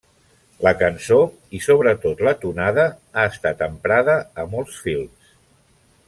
La cançó i sobretot la tonada ha estat emprada a molts films.